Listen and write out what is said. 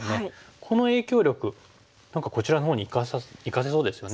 この影響力何かこちらのほうに生かせそうですよね。